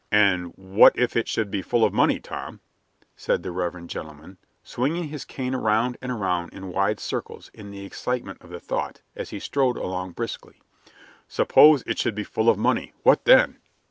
"And what if it should be full of money, Tom?" said the reverend gentleman, swinging his cane around and around in wide circles in the excitement of the thought, as he strode along briskly. "Suppose it should be full of money, what then?"